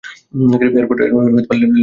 এরপর ল্যাঙ্কাশায়ারের চলে যান।